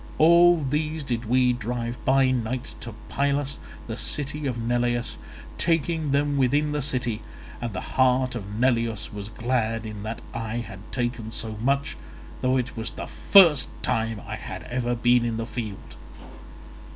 All these did we drive by night to Pylus, the city of Neleus, taking them within the city; and the heart of Neleus was glad in that I had taken so much, though it was the first time I had ever been in the field.